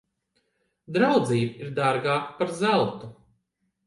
Draudzība ir dārgāka par zeltu.